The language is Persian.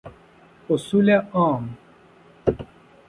اصول عام